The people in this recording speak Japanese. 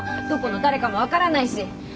どこの誰かも分からないし。